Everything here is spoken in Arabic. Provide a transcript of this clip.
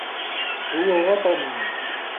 هو وطنيّ.